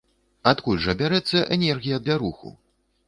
Адкуль жа бярэцца энергія для руху?